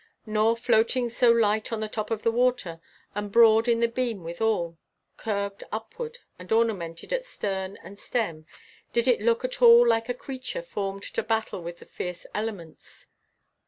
Nor, floating so light on the top of the water, and broad in the beam withal, curved upward and ornamented at stern and stem, did it look at all like a creature formed to battle with the fierce elements.